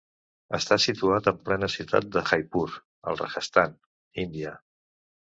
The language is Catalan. Està situat en plena ciutat de Jaipur, al Rajasthan, Índia.